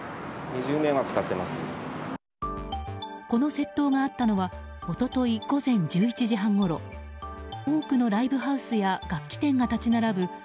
この窃盗があったのは一昨日午前１１時半ごろ多くのライブハウスや楽器店が立ち並ぶ